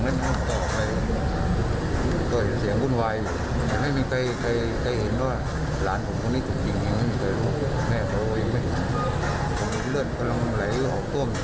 หลังจากได้ยินเสียงปืนของนั้นต่อไปเคยเห็นเสียงวุ่นวายไม่มีใครเห็นว่าหลานผมตรงนี้จุดยิงอย่างนั้นไม่เคยรู้แม่โตยังไม่รู้มีเลือดกำลังไหลห่อต้ม